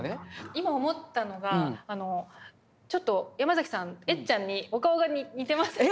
今思ったのがちょっとヤマザキさんエッちゃんにお顔が似てませんか。